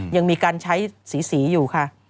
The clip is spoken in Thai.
ยังมีการใช้สีอยู่ค่ะ